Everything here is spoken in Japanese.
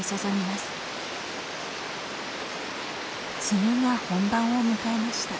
梅雨が本番を迎えました。